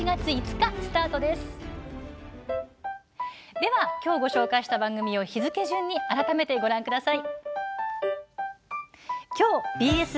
では、きょうご紹介した番組を日付順に改めてご覧ください。